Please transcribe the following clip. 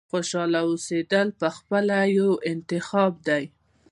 • خوشحاله اوسېدل پخپله یو انتخاب دی.